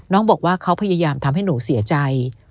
น้องบอกว่าเขาพยายามทำให้หนูเสียใจ